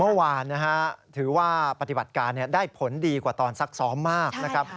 เมื่อวานนะฮะถือว่าปฏิบัติการได้ผลดีกว่าตอนซักซ้อมมากนะครับ